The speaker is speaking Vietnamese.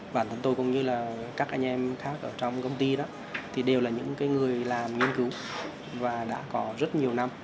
bản thân tôi cũng như là các anh em khác ở trong công ty đó thì đều là những người làm nghiên cứu và đã có rất nhiều năm